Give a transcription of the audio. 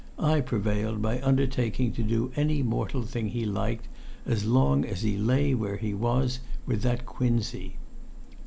I prevailed by undertaking to do any mortal thing he liked, as long as he lay where he was with that quinsy.